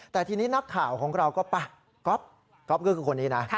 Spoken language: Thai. แต่ทีนี้นักข่าวของเราก็ไปก๊อฟก๊อฟก็คือคนนี้นะ